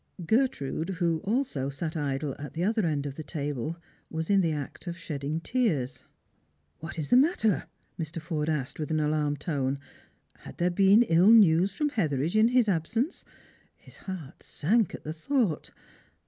Ger trude, who also sat idle at the other end of the table, was in the act of shedding tears. " What is the matter?" Mr. Forde asked, with an alarmed tone. Had there been ill news from Hetheridge in his absence ? His heart sank at the thought.